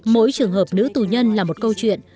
mỗi trường hợp nữ tù nhân là một câu chuyện